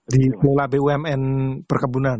di pula bumn perkebunan